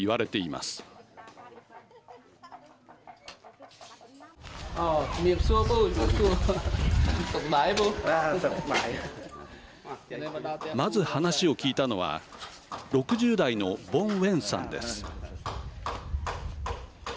まず話を聞いたのは６０代のボン・ウェンさんです。